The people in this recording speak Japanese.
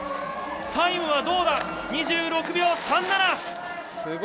タイムは２６秒３７。